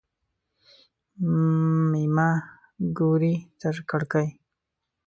مېمه ګوري تر کړکۍ.